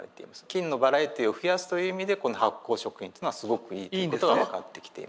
菌のバラエティーを増やすという意味でこの発酵食品というのはすごくいいということが分かってきています。